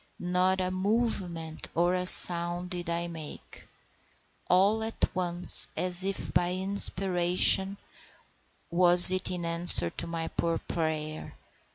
Not a movement or a sound did I make. All at once, as if by inspiration—was it in answer to my poor prayer?